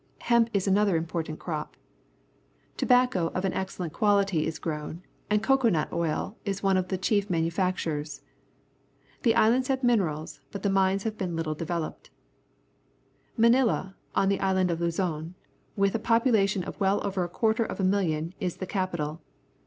Hemp is another important crop. Tobacco of an excellent qualitj^ is grown, and cocoa nut oil is one of the chief manufactures. The islands have minerals, but the mines have been httle Crushing Sugar cane, The Philippines developed. Manila, on the island of Luzon, with a population of well over a quarter of a million, is the capital.